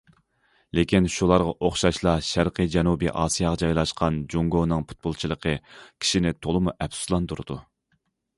لېكىن، شۇلارغا ئوخشاشلا شەرقىي جەنۇبىي ئاسىياغا جايلاشقان جۇڭگونىڭ پۇتبولچىلىقى كىشىنى تولىمۇ ئەپسۇسلاندۇرىدۇ.